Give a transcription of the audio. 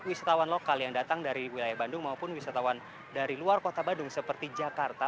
wisatawan lokal yang datang dari wilayah bandung maupun wisatawan dari luar kota bandung seperti jakarta